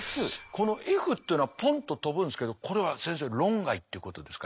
このＦっていうのはポンッと飛ぶんですけどこれは先生論外ってことですか